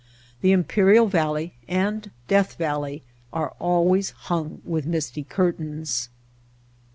The Imperial Valley and Death Valley are always hung with misty curtains.